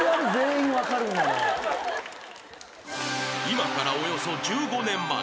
［今からおよそ１５年前］